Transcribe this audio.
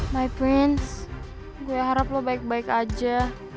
my tween gue harap lo baik baik aja